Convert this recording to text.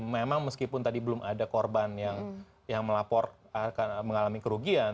memang meskipun tadi belum ada korban yang melapor akan mengalami kerugian